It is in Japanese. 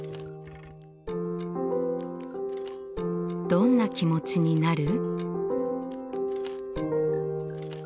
どんな気持ちになる？